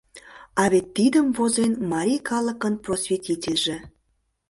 А вет тидым возен марий калыкын просветительже.